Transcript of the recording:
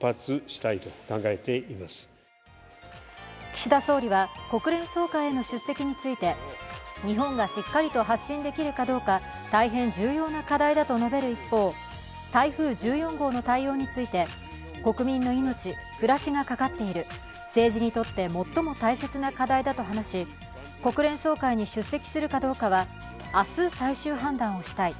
岸田総理は国連総会への出席について、日本がしっかりと発信できるかどうか、大変重要な課題だと述べる一方台風１４号の対応について国民の命、暮らしがかかっている政治にとって最も大切な課題だと話し、国連総会に出席するかどうかは、明日、最終判断をしたい。